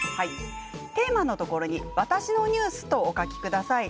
テーマのところに「わたしのニュース」とお書きください。